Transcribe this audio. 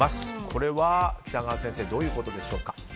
これは北川先生どういうことでしょうか。